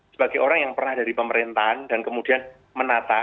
sebagai orang yang pernah dari pemerintahan dan kemudian menata